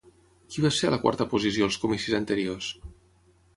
Qui va ser a la quarta posició als comicis anteriors?